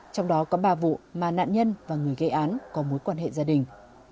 trong đó có ba vụ mà nạn nhân và người gây án có mối quan hệ gia đình